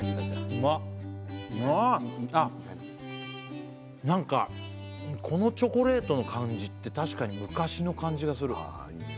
うわっなんかこのチョコレートの感じって確かに昔の感じがするああいいね